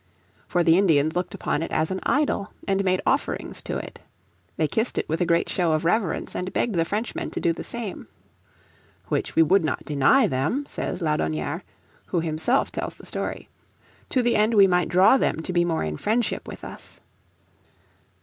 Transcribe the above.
For the Indians looked upon it as an idol, and made offerings to it. They kissed it with a great show of reverence, and begged the Frenchmen to do the same. "Which we would not deny them," says Laudonnière, who himself tells the story, "to the end we might draw them to be more in friendship with us."